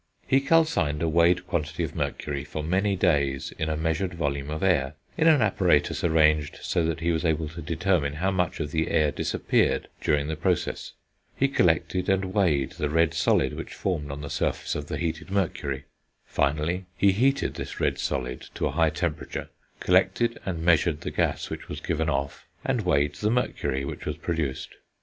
He calcined a weighed quantity of mercury for many days in a measured volume of air, in an apparatus arranged so that he was able to determine how much of the air disappeared during the process; he collected and weighed the red solid which formed on the surface of the heated mercury; finally he heated this red solid to a high temperature, collected and measured the gas which was given off, and weighed the mercury which was produced.